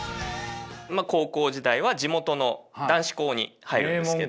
高校時代は地元の男子校に入るんですけど。